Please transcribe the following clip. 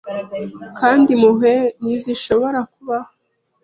Kandi impuhwe ntizishobora kubaho